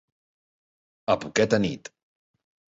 A poqueta nit.